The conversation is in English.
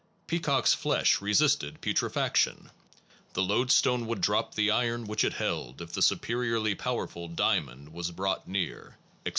Peacock s flesh resisted putrefaction. The lodestone would drop the iron which it held if the superiorly powerful diamond was brought near, etc.